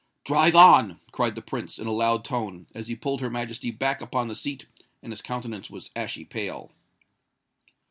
"Drive on!" cried the Prince, in a loud tone, as he pulled Her Majesty back upon the seat; and his countenance was ashy pale.